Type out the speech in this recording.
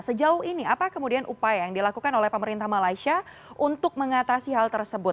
sejauh ini apa kemudian upaya yang dilakukan oleh pemerintah malaysia untuk mengatasi hal tersebut